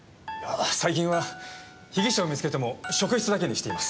最近は被疑者を見つけても職質だけにしています。